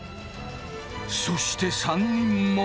そして３人も。